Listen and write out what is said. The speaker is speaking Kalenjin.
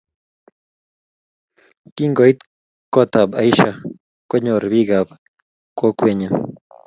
Kingoit kotab Aisha konyor bikap kwekeny